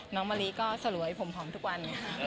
น้องมะลิก็สลวยผมผอมทุกวัน